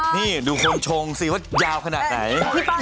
นี่ดูคนชงสิว่ายาวขนาดไหน